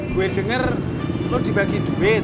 gue dengar lu dibagi duit